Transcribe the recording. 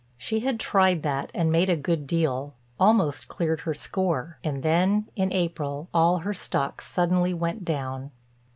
She had tried that and made a good deal—almost cleared her score—and then in April all her stocks suddenly went down.